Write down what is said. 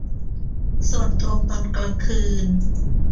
ส่วนตรงตอนกลางคืน